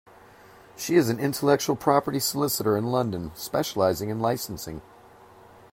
She is an intellectual property solicitor in London, specialising in licensing.